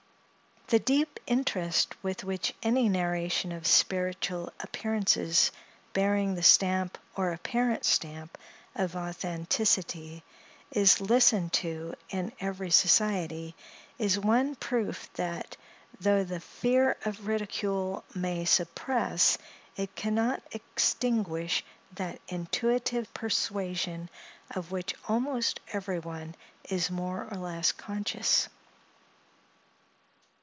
The deep interest with which any narration of spiritual appearances bearing the stamp, or apparent stamp, of authenticity is listened to in every society, is one proof that, though the fear of ridicule may suppress, it can not extinguish that intuitive persuasion, of which almost every one is more or less conscious.